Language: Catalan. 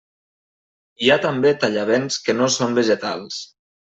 Hi ha també tallavents que no són vegetals.